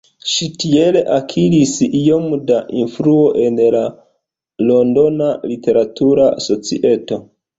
Ŝi tiel akiris iom da influo en la londona literatura societo.